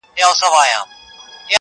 o خو کيسه نه ختمېږي هېڅکله,